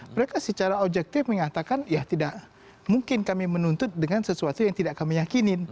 mereka secara objektif mengatakan ya tidak mungkin kami menuntut dengan sesuatu yang tidak kami yakinin